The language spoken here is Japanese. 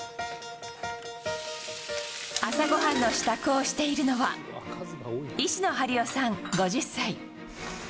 朝ごはんの支度をしているのは、石野春代さん５０歳。